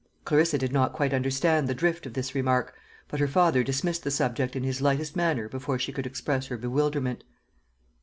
Clarissa did not quite understand the drift of this remark, but her father dismissed the subject in his lightest manner before she could express her bewilderment.